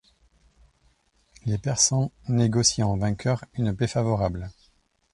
Les Persans négocient en vainqueurs une paix favorable.